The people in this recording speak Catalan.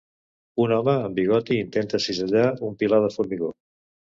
Un home amb bigoti intenta cisellar un pilar de formigó.